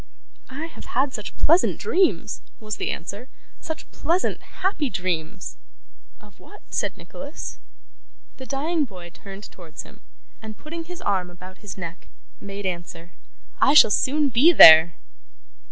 'I have had such pleasant dreams,' was the answer. 'Such pleasant, happy dreams!' 'Of what?' said Nicholas. The dying boy turned towards him, and, putting his arm about his neck, made answer, 'I shall soon be there!